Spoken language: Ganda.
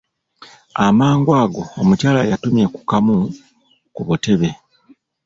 Amangu ago omukyala yatumya ku kamu ku butebe.